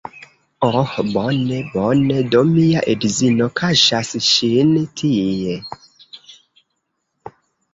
Oh bone, bone, do mia edzino kaŝas ŝin tie